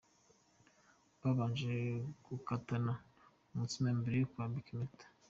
Babanje gukatana umutsima mbere yo kwambikwa Impeta.